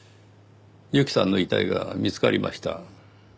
由季さんの遺体が見つかりました。